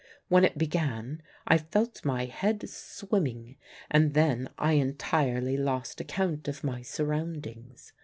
When it began I felt my head swimming, and then I entirely lost account of my surroundings.